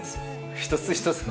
一つ一つの。